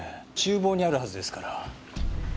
厨房にあるはずですから。